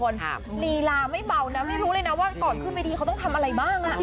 ลีลาไม่เบานะไม่รู้เลยนะว่าก่อนขึ้นเวทีเขาต้องทำอะไรบ้างอ่ะ